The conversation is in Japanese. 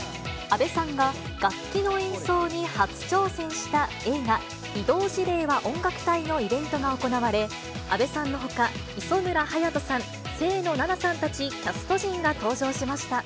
阿部さんが楽器の演奏に初挑戦した映画、異動辞令は音楽隊！のイベントが行われ、阿部さんのほか、磯村勇斗さん、清野菜名さんたちキャスト陣が登場しました。